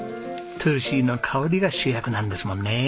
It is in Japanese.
トゥルシーの香りが主役なんですもんね。